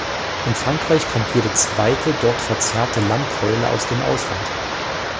In Frankreich kommt jede zweite dort verzehrte Lammkeule aus dem Ausland.